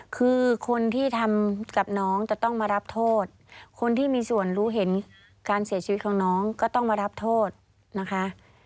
คือคนที่ทำกับน้องจะต้องมารับโทษคนที่มีส่วนรู้เห็นการเสียชีวิตของน้องก็ต้องมารับโทษนะคะ